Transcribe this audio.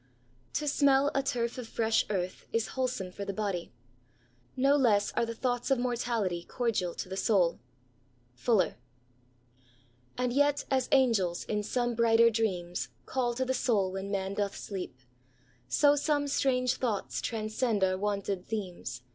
'* To smell a turf of fresh earth is wholesome for the body ; no less are tiie thoughts of mortality cordial to the soaL" Fuixsft. And yet as angels, in some brighter dreams. Call to the soul when man doth sleep, So some strange though transcend our wonted themes.